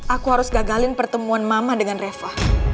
aku harus gagalin pertemuan mama dengan reva